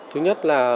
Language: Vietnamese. thứ nhất là